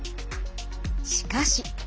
しかし。